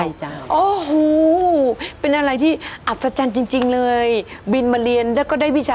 กรูผู้สืบสารล้านนารุ่นแรกแรกรุ่นเลยนะครับผม